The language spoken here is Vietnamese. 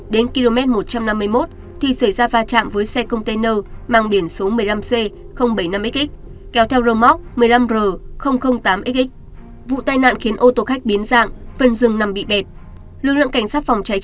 đến km một trăm năm mươi một thì xảy ra va chạm với xe container mang biển số một mươi năm c bảy mươi năm xx kéo theo râu móc một mươi năm r tám xx